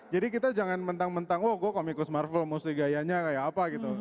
jadi kita jangan mentang mentang oh gue komikus marvel musti gayanya kayak apa gitu